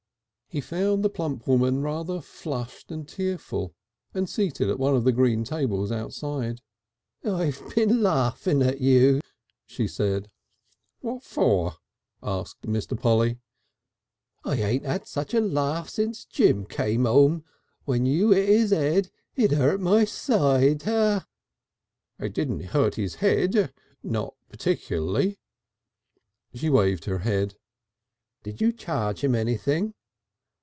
He found the plump woman rather flushed and tearful, and seated at one of the green tables outside. "I been laughing at you," she said. "What for?" asked Mr. Polly. "I ain't 'ad such a laugh since Jim come 'ome. When you 'it 'is 'ed, it 'urt my side." "It didn't hurt his head not particularly." She waved her head. "Did you charge him anything?"